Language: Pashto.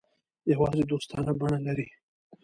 یوازې دوستانه بڼه لري.